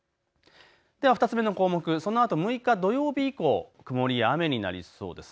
２つ目の項目、そのあと６日土曜日以降、曇りや雨になりそうです。